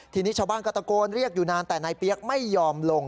ทีนี้ชาวบ้านก็ตะโกนเรียกอยู่นานแต่นายเปี๊ยกไม่ยอมลง